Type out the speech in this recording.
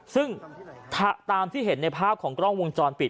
ซึ่งตามที่เห็นในภาพของกล้องวงจรปิด